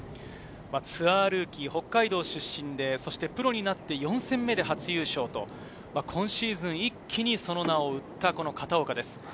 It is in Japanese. ツアールーキー、北海道出身でプロになって４戦目で初優勝と、今シーズン、一気にその名を売った片岡です。